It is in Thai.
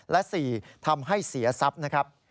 และ๔ทำให้เสียทรัพย์นะครับ